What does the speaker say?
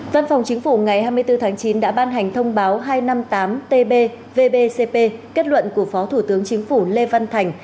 văn phòng chính phủ ngày hai mươi bốn tháng chín đã ban hành thông báo hai trăm năm mươi tám tb vbcp kết luận của phó thủ tướng chính phủ lê văn thành